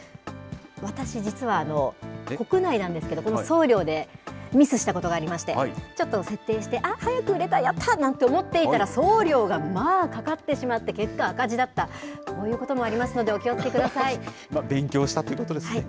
私、実は国内なんですけど、この送料でミスしたことがありまして、ちょっと設定して、あっ、早く売れた、やったーなんて思っていたら送料が、まあ、かかってしまって、結果、赤字だった、こういうこともありますので、お気をつけ勉強したってことですね。